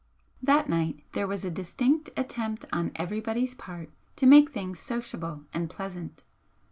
That night there was a distinct attempt on everybody's part to make things sociable and pleasant.